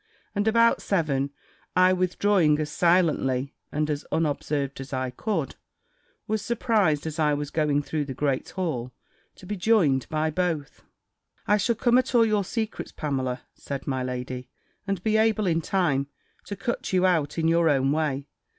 And about seven, I withdrawing as silently and as unobserved as I could, was surprised, as I was going through the great hall, to be joined by both. "I shall come at all your secrets, Pamela," said my lady, "and be able, in time, to cut you out in your own way.